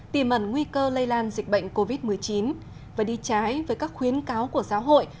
tìm ẩn nguy cơ lây lan dịch bệnh covid một mươi chín và đi trái với các khuyến cáo của giáo hội